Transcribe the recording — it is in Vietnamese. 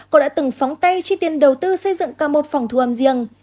cô đã từng phóng tay chi tiền đầu tư xây dựng cả một phòng thu âm riêng